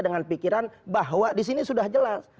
dengan pikiran bahwa disini sudah jelas